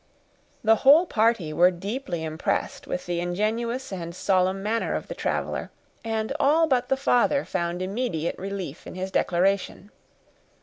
The whole party were deeply impressed with the ingenuous and solemn manner of the traveler, and all but the father found immediate relief in his declaration.